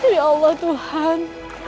ya allah tuhan